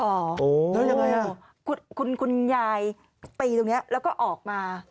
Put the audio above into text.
โอ้โฮแล้วยังไงล่ะคุณขุนยายปีตรงนี้แล้วก็ออกมา